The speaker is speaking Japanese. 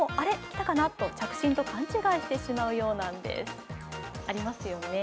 来たかなと着信と勘違いしてしまうようです。